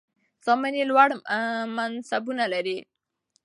زامن یې لوړ منصبونه لري.